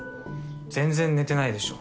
全然寝てないでしょ？